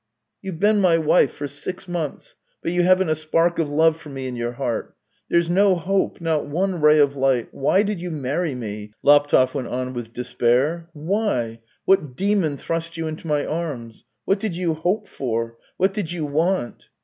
" You've been my wife for six months, but you haven't a spark of love for me in your heart. There's no hope, not one ray of light ! Why did you marry me ?" Laptev went on with despair. " Why ? What demon thrust you into my arms ? What did you hope for ? What did you want